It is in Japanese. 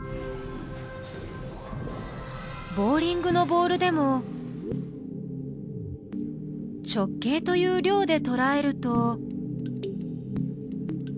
ボウリングのボールでも「直径」という「量」でとらえると。